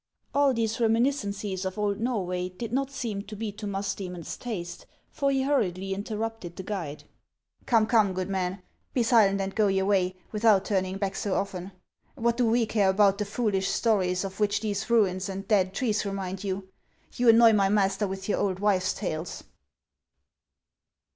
All these reminiscences of old Norway did not seem to be to Musdcemon's taste, for he hurriedly interrupted the guide. " Come, come, good man, be silent and go your way, without turning back so often. What do we care about the foolish stories of which these ruins and dead trees remind you ? You annoy my master with your old wives' tales."